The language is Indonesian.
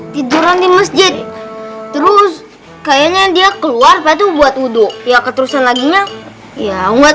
tiduran di masjid terus kayaknya dia keluar patung buat udo ya keterusan laginya ya enggak